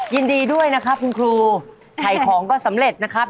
ยินดีด้วยนะครับคุณครูถ่ายของก็สำเร็จนะครับ